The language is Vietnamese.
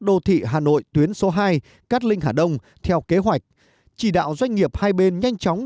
đô thị hà nội tuyến số hai cát linh hà đông theo kế hoạch chỉ đạo doanh nghiệp hai bên nhanh chóng